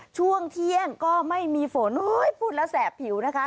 ช่วงเที่ยงก็ไม่มีฝนพูดแล้วแสบผิวนะคะ